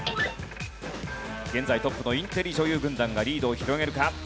現在トップのインテリ女優軍団がリードを広げるか？